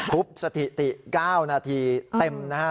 สถิติ๙นาทีเต็มนะฮะ